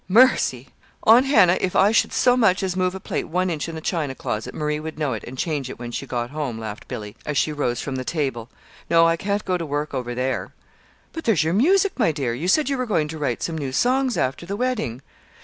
Mercy! Aunt Hannah, if I should so much as move a plate one inch in the china closet, Marie would know it and change it when she got home," laughed Billy, as she rose from the table. "No, I can't go to work over there." "But there's your music, my dear. You said you were going to write some new songs after the wedding."